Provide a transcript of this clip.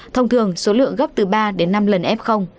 thông thường số lượng gấp từ ba đến năm lần f